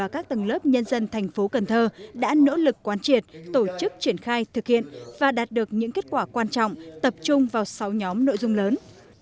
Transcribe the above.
các tầng lớp nhân dân thành phố cần thơ đã nỗ lực quán triệt tổ chức triển khai thực hiện và đạt được những kết quả quan trọng tập trung vào sáu nhóm nội dung lớn